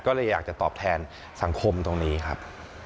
ก็เลยอยากจะตอบแทนสังคมตรงนี้ครับ